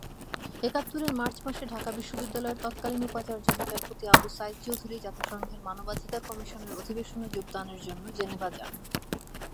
একাত্তরের মার্চ মাসে ঢাকা বিশ্ববিদ্যালয়ের তৎকালীন উপাচার্য বিচারপতি আবু সাঈদ চৌধুরী জাতিসংঘের মানবাধিকার কমিশনের অধিবেশনে যোগদানের জন্য জেনেভা যান।